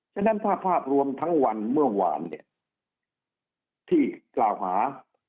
ฉะนั้นถ้าภาพรวมทั้งวันเมื่อวานเนี่ยที่กล่าวหา